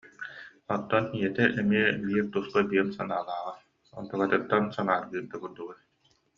Оттон ийэтэ эмиэ биир туспа бүөм санаалааҕа, онтукатыттан санааргыыр да курдуга